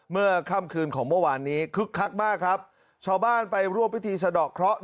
เมื่อค่ำคืนของเมื่อวานนี้คึกคักมากครับชาวบ้านไปร่วมพิธีสะดอกเคราะห์